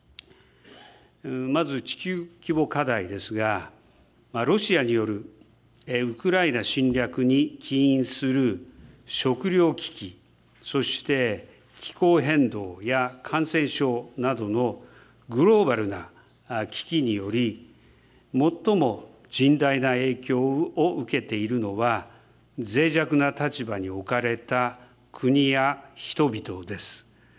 まず地球規模課題ですが、ロシアによるウクライナ侵略に起因する食料危機、そして気候変動や感染症などのグローバルな危機により、最も甚大な影響を受けているのは、ぜい弱な立場に置かれた国や人々です。